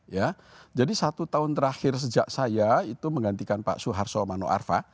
ya jadi satu tahun terakhir sejak saya itu menggantikan pak soeharto mano arfa